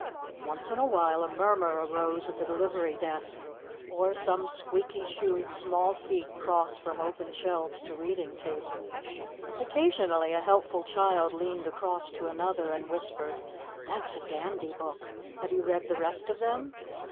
Once in a while a murmur arose at the delivery desk, or some squeaky shoed small feet crossed from open shelves to reading table. Occasionally a helpful child leaned across to another and whispered, "That's a dandy book. Have you read the rest of them?"